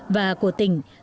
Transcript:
và của tỉnh